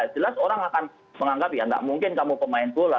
jelas orang akan menganggap ya nggak mungkin kamu pemain bola